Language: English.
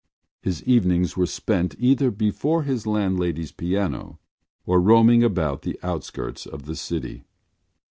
His evenings were spent either before his landlady’s piano or roaming about the outskirts of the city.